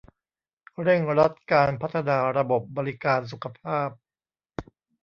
เร่งรัดการพัฒนาระบบบริการสุขภาพ